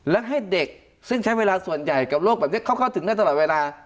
และให้เด็กซึ่งใช้เวลาส่วนใหญ่กับโรคแบบนี้เขาเข้าถึงได้ตลอดเวลา